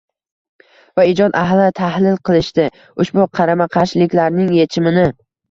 va ijod ahli tahlil qilishdi; ushbu qarama-qarshiliklarning yechimini